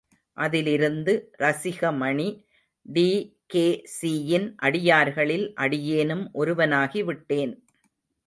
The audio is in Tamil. அதிலிருந்து ரசிகமணி டி.கே.சியின் அடியார்களில் அடியேனும் ஒருவனாகிவிட்டேன்.